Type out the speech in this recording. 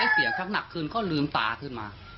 เสียงชักหนักขึ้นก็ลืมตาขึ้นมา